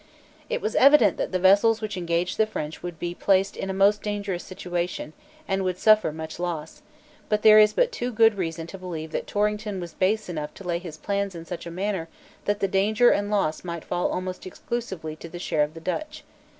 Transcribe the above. It was evident that the vessels which engaged the French would be placed in a most dangerous situation, and would suffer much loss; and there is but too good reason to believe that Torrington was base enough to lay his plans in such a manner that the danger and loss might fall almost exclusively to the share of the Dutch.